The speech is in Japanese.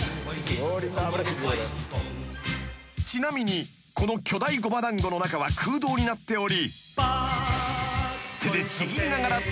［ちなみにこの巨大ごま団子の中は空洞になっており］